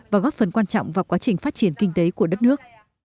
và góp phần quan trọng vào quá trình phát triển kinh tế của đất nước